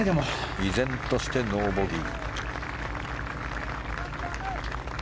依然としてノーボギー。